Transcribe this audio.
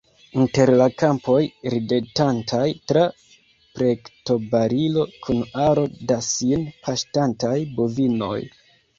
Inter la kampoj, ridetantaj tra plektobarilo, kun aro da sin paŝtantaj bovinoj.